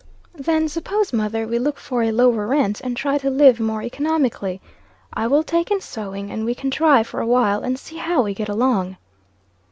"Then, suppose, mother we look for a lower rent, and try to live more economically. I will take in sewing, and we can try for awhile, and see how we get along."